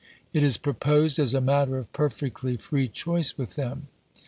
It is proposed as a matter of per fectly free choice with them.